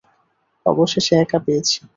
অবশেষে একা হয়েছি।